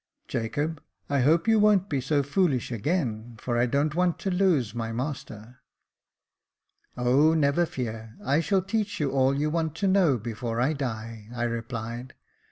Jacob, I hope you won't be so foolish again, for I don't want to lose my master^" " O, never fear ; I shall teach you all you want to know before I die," I replied.